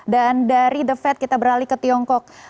dan dari the fed kita beralih ke tiongkok